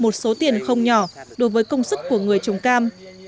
một số tiền không nhỏ đối với công sức của người trồng cam